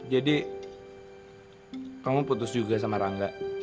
jadi kamu putus juga sama rangga